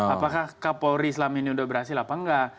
apakah kapolri islam ini sudah berhasil atau tidak